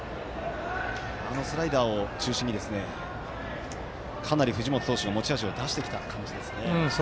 スライダーを中心にかなり藤本投手が持ち味を出してきた感じですね。